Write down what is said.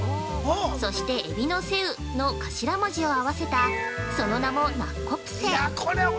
そして、エビのセウの頭文字を合わせた、その名もナッコプセ。